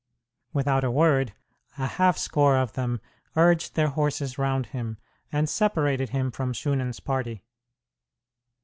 Without a word a half score of them urged their horses round him, and separated him from Shunan's party.